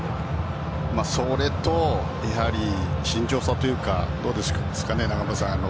それとやはり慎重さというかどうですかね、中村さん。